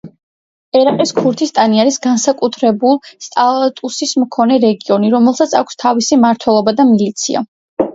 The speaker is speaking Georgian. ერაყის ქურთისტანი არის განსაკუთრებულ სტატუსის მქონე რეგიონი, რომელსაც აქვს თავისი მმართველობა და მილიცია.